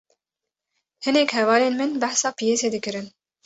Hinek hevalên min behsa piyasê dikirin